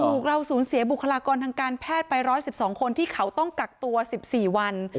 เราสูญเสียบุคลากรทางการแพทย์ไป๑๑๒คนที่เขาต้องกักตัว๑๔วัน